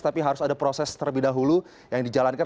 tapi harus ada proses terlebih dahulu yang dijalankan